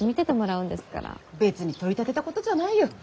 別に取り立てたことじゃないよ。